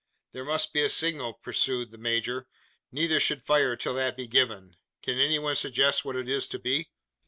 "There must be a signal," pursued the major. "Neither should fire till that be given. Can any one suggest what it is to be?"